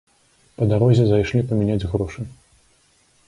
Па дарозе зайшлі памяняць грошы.